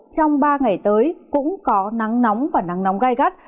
trong ba ngày tới cũng có nắng nóng và nắng nóng gai gắt